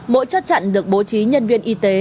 mỗi chốt chặn được bố trí nhân viên y tế